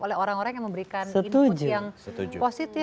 oleh orang orang yang memberikan input yang positif